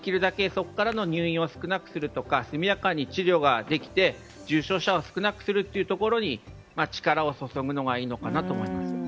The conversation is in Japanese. そこからの入院を少なくするとか速やかに治療ができて重症者を少なくするところに力を注ぐのがいいのかなと思います。